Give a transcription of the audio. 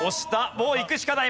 もういくしかない。